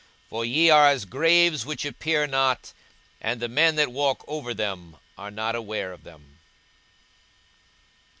for ye are as graves which appear not, and the men that walk over them are not aware of them.